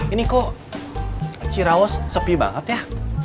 ini kok cirawas sepi banget ya